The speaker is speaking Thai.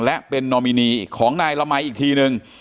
และเป็นนอมินีของนายละมัยอีกทีนึง